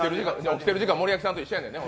起きてる時間、森脇さんと一緒やんね。